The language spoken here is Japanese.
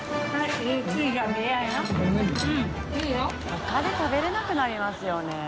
他で食べれなくなりますよね。